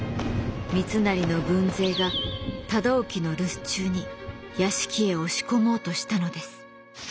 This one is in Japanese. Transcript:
三成の軍勢が忠興の留守中に屋敷へ押し込もうとしたのです。